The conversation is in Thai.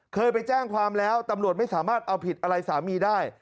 เคยไปแจ้งความแล้วตำรวจไม่สามารถเอาผิดอะไรสามีได้